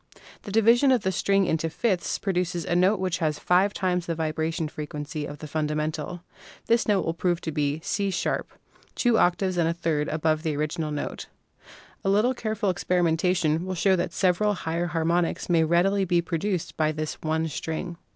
The division of the string into fifths pro duces a note which has five times the vibration frequency of the fundamental. This note will prove to be C" #— two octaves and a third above the original note. A little care ful experimentation will show that several still higher harmonics may readily be produced by this one string.